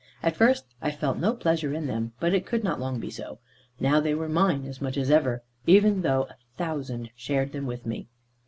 At first I had felt no pleasure in them, but it could not long be so. Now they were mine as much as ever, though a thousand shared them with me.